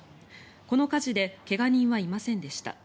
この火事で怪我人はいませんでした。